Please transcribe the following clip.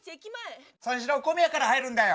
三四郎は小宮から入るんだよ。